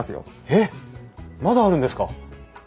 えっまだあるんですか？